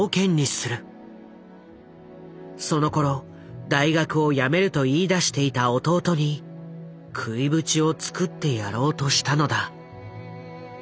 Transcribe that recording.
そのころ大学をやめると言いだしていた弟に食いぶちをつくってやろうとしたのだ。